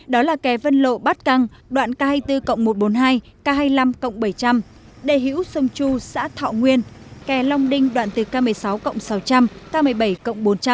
đó là kè vân lộ bát căng đoạn k hai mươi bốn một trăm bốn mươi hai k hai mươi năm bảy trăm linh đề hữu sông chu xã thọ nguyên kè long đinh đoạn từ k một mươi sáu cộng sáu trăm linh k một mươi bảy cộng bốn trăm linh